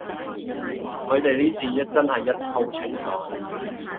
佢地呢次真係一鋪清袋